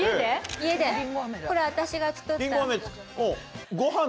家でこれ私が作った。